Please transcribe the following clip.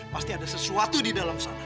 pasti ada sesuatu di dalam sana